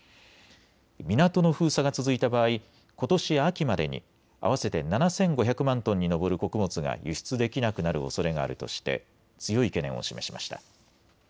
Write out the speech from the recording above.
港の封鎖が続いた場合、ことし秋までに合わせて７５００万トンに上る穀物が輸出できなくなるおそれがあるとして強い懸念を示しました。